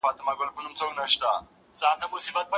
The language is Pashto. خیر محمد په خپلې صافې باندې یو بل موټر ته نښه کړه.